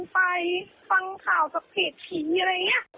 ที่เราถอนตัวเราก็ไม่ได้ประกาศอะไรยังไงนะคะ